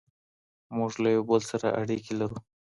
موږ له یو بل سره اړیکي لرو.